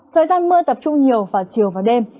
thời gian mưa tập trung nhiều vào chiều và đêm